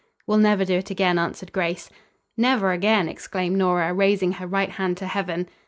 "We'll never do it again," answered Grace. "Never again!" exclaimed Nora, raising her right hand to heaven.